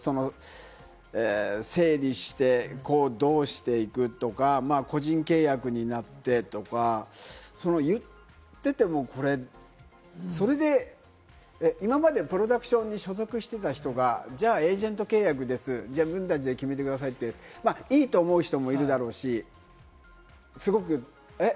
整理して、どうしていくとか、個人契約になってとか言ってても今までプロダクションに所属してた人がエージェント契約です、自分たちで決めてくださいって、いいと思う人もいるだろうし、えっ？